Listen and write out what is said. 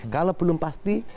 kalau belum pasti